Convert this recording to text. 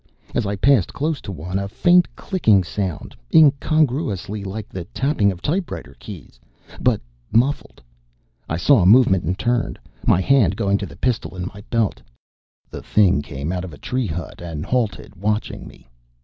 As I passed close to one a faint clicking sounded, incongruously like the tapping of typewriter keys, but muffled. I saw movement and turned, my hand going to the pistol in my belt. The Thing came out of a tree hut and halted, watching me.